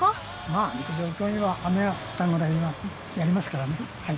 まあ、陸上では雨が降ったくらいではやりますからね。